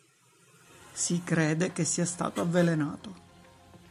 Si crede che sia stato avvelenato.